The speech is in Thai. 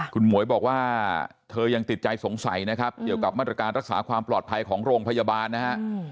คุณหมวยบอกว่าเธอยังติดใจสงสัยนะครับเกี่ยวกับมาตรการรักษาความปลอดภัยของโรงพยาบาลนะฮะ